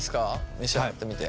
召し上がってみて。